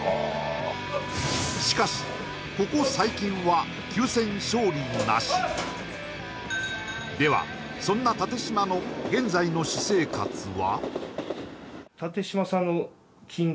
しかしここ最近は９戦勝利なしではそんな立嶋の現在の私生活は？